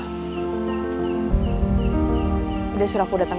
hakim gini gak pernah datang lo